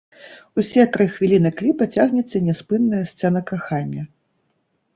Усе тры хвіліны кліпа цягнецца няспынная сцэна кахання.